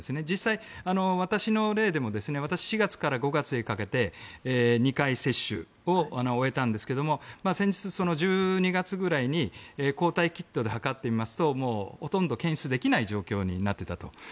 実際、私の例でも私、４月から５月にかけて２回接種を終えたんですが先日、１２月ぐらいに抗体キットで測ってみますとほとんど検出できない状況になっていたと。